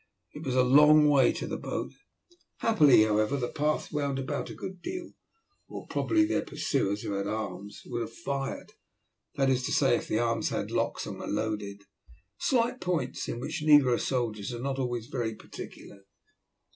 It was a long way to the boat. Happily, however, the path wound about a good deal, or probably their pursuers, who had arms, would have fired, that is to say, if the arms had locks and were loaded slight points in which negro soldiers are not always very particular.